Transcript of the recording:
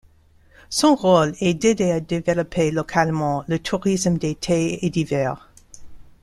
Son rôle est d'aider à développer localement le tourisme d'été et d'hiver.